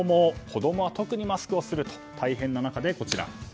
子供は特にマスクをすると大変な中でこちら。